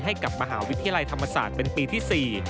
ให้กับมหาวิทยาลัยธรรมศาสตร์เป็นปีที่๔